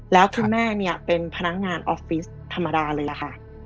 แล้วคุณแม่เนี่ยเป็นพนักงานออฟฟิศธรรมดาเลยล่ะค่ะ